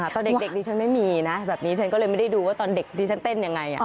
ตอนเด็กดิฉันไม่มีนะแบบนี้ฉันก็เลยไม่ได้ดูว่าตอนเด็กที่ฉันเต้นยังไง